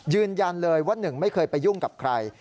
ยืนยันเลยว่าหนึ่งไม่เคยไปยุ่งกับใคร